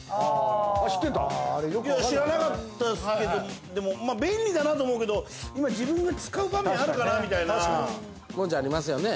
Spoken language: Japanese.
あっ知ってんだいや知らなかったですけどでもまあ便利だなと思うけど自分が使う場面あるかなみたいな文字ありますよね